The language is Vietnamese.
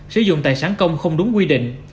sử dụng tài sản công không đúng quy định